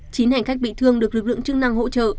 chín hành khách bị thương được lực lượng chức năng hỗ trợ